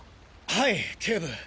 はい警部。